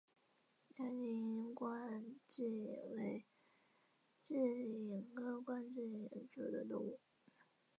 辽宁冠蛭蚓为蛭蚓科冠蛭蚓属的动物。